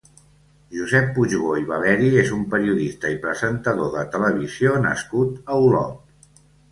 Josep Puigbó i Valeri és un periodista i presentador de televisió nascut a Olot.